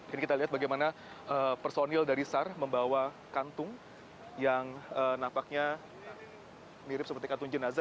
ini kita lihat bagaimana personil dari sar membawa kantung yang nampaknya mirip seperti kantung jenazah